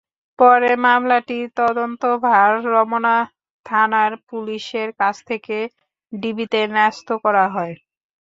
পরে মামলাটির তদন্তভার রমনা থানার পুলিশের কাছ থেকে ডিবিতে ন্যস্ত করা হয়।